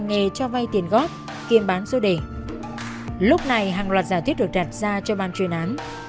nghề cho vay tiền góp kiêm bán số đề lúc này hàng loạt giả thuyết được đặt ra cho ban chuyên án